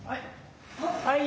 ・はい。